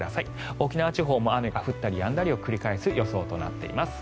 沖縄地方も降ったりやんだりを繰り返す予想となっています。